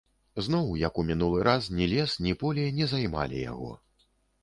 Зноў, як ў мінулы раз, ні лес, ні поле не займалі яго.